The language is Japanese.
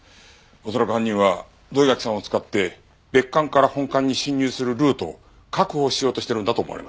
恐らく犯人は土居垣さんを使って別館から本館に侵入するルートを確保しようとしてるんだと思われます。